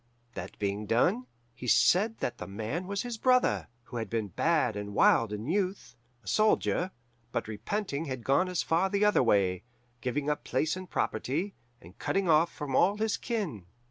That being done, he said that The Man was his brother, who had been bad and wild in youth, a soldier; but repenting had gone as far the other way, giving up place and property, and cutting off from all his kin.